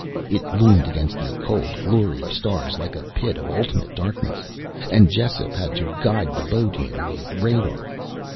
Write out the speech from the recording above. It loomed against the cold glory of stars like a pit of ultimate darkness, and Jessup had to guide the boat in with radar.